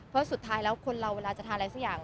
เพราะสุดท้ายคนเราทานอะไรอะไรสักอย่าง